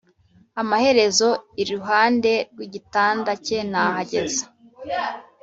amaherezo iruhande rw'igitanda cye nahagaze: